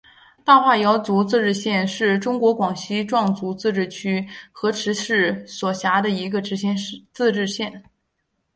大化瑶族自治县是中国广西壮族自治区河池市所辖的一个自治县。